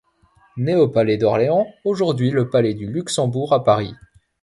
Née au palais d'Orléans, aujourd'hui le palais du Luxembourg à Paris.